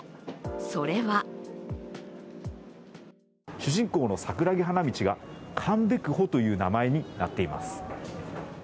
それは主人公の桜木花道がカン・ベクホという名前になっています。